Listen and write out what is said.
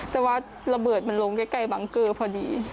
แต่ว่าระเบิดมันลงใกล้บังเกอร์พอดี